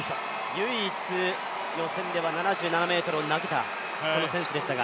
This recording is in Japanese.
唯一予選では７７ｍを投げた選手でしたが。